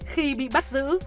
khi bị bắt giữ